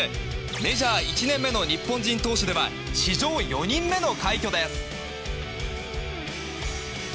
メジャー１年目の日本人投手では史上４人目の快挙です。